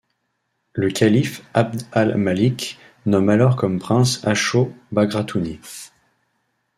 Le calife Abd al-Malik nomme alors comme prince Achot Bagratouni.